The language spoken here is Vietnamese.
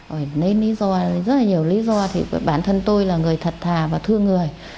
lấy lý do rất là nhiều lý do thì bản thân tôi là người thật thà và thương người